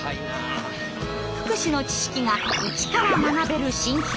福祉の知識がイチから学べる新企画！